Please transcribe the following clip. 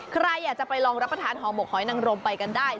ใครอยากจะไปลองรับประทานห่อหมกหอยนังรมไปกันได้